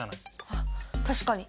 あっ確かに。